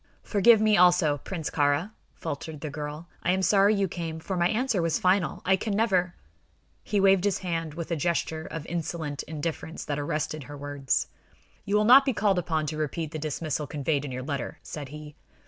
"Forgive me, also, Prince Kāra," faltered the girl. "I am sorry you came, for my answer was final. I can never " He waved his hand with a gesture of insolent indifference that arrested her words. "You will not be called upon to repeat the dismissal conveyed in your letter," said he.